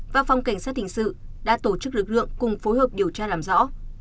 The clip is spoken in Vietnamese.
và phòng cảnh sát hình sự đã tổ chức lực lượng cùng phối hợp điều tra làm rõ